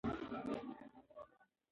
ټولنیز ژوند د ګډو اړیکو په مرسته دوام کوي.